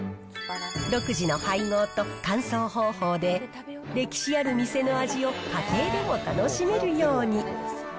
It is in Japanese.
独自の配合と乾燥方法で、歴史ある店の味を家庭でも楽しめるように。